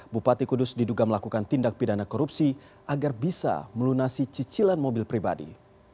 bupati kudus diduga melakukan tindak pidana korupsi agar bisa melunasi cicilan mobil pribadi